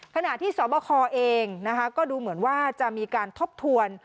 ขณะที่สบคเองก็ดูเหมือนว่าจะมีการทบทวน